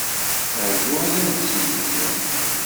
Rju ad m-d-smektiɣ.